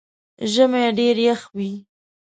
ژمئ ډېر يخ وي